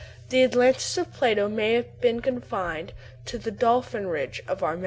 The Atlantis of Plato may have been confined to the "Dolphin Ridge" of our map.